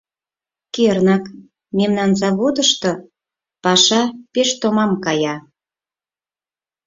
Кернак, мемнан заводышто паша пеш томам кая.